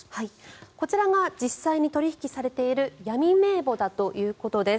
こちらが実際に取引されている闇名簿だということです。